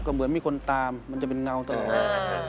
ก็เหมือนมีคนตามมันจะเป็นเงาตลอด